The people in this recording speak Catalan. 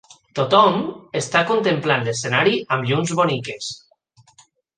tothom està contemplant l'escenari amb llums boniques.